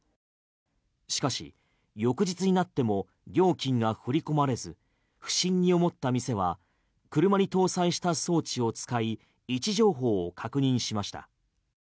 しかし、翌日になっても料金が振り込まれず不審に思った店は車に搭載した装置を使い位置情報を確認しました。